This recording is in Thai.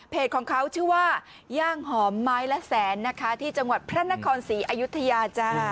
เพจของเขาชื่อว่าย่างหอมไม้ละแสนที่จังหวัดพระนครศรีอายุทยา